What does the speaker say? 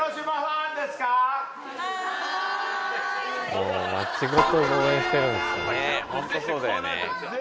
もう街ごと応援してるんすよ。ね。